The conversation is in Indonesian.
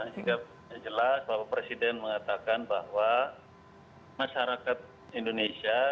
jika jelas bapak presiden mengatakan bahwa masyarakat indonesia